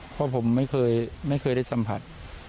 เพราะผมไม่เคยได้สัมผัส